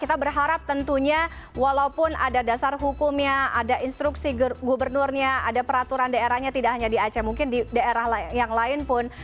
kita berharap tentunya walaupun ada dasar hukumnya ada instruksi gubernurnya ada peraturan daerahnya tidak hanya di aceh mungkin di daerah yang lain pun